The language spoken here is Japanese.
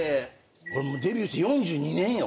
俺デビューして４２年よ。